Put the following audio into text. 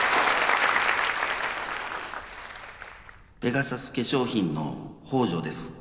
ペガサス化粧品の北條です。